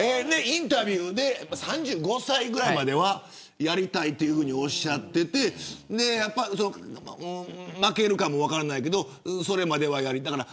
インタビューで３５歳ぐらいまではやりたいと、おっしゃっていて負けるかも分からないけどそれまではやりたいと。